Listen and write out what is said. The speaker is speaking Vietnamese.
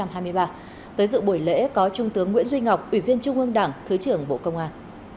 hồi lễ có trung tướng nguyễn duy ngọc ủy viên trung ương đảng thứ trưởng bộ công an